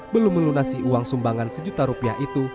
belum melunasi uang sumbangan sejuta rupiah itu